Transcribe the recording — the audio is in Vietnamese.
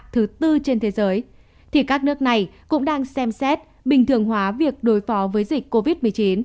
thứ tư trên thế giới thì các nước này cũng đang xem xét bình thường hóa việc đối phó với dịch covid một mươi chín